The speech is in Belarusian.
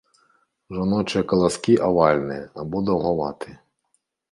Жаночыя каласкі авальныя або даўгаватыя.